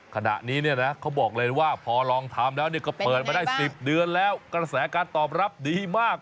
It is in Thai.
ขณะนี้เนี่ยนะเขาบอกเลยว่าพอลองทำแล้วก็เปิดมาได้๑๐เดือนแล้วกระแสการตอบรับดีมาก